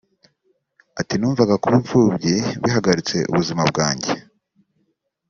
Ati “Numvaga kuba imfubyi bihagaritse ubuzima bwanjye